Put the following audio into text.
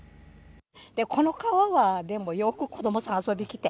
この川は、でもよく子どもさん遊び来て。